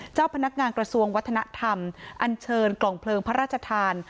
เจ้าพนักงานกระทรวงวัฒนธรรมอันเชิญกล่องเพลิงพระราชทาน